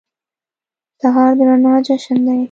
سهار د رڼا جشن دی.